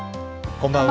こんばんは。